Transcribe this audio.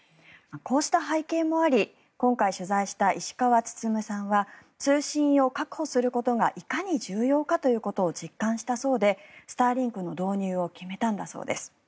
こうした背景もあり今回取材した石川温さんは通信を確保することがいかに重要かということを実感したそうでスターリンクの導入を決めたんだそうです。